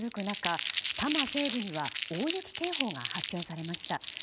中多摩西部には大雪警報が発表されました。